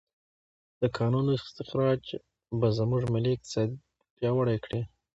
د کانونو استخراج به زموږ ملي اقتصاد پیاوړی کړي.